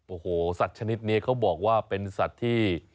โอ้โหสัตว์ชนิดนี้เขาบอกว่าเป็นสัตว์ที่